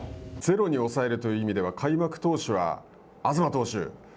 ゼロに抑えるという意味では、開幕投手は東投手。